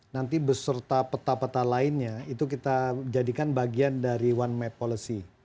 nanti beserta peta peta lainnya itu kita jadikan bagian dari one map policy